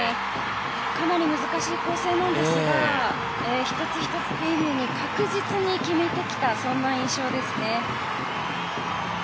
かなり難しい構成なんですが１つ１つ丁寧に確実に決めてきたそんな印象ですね。